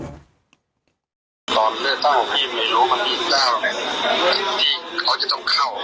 ตอนเลือดต้องของพี่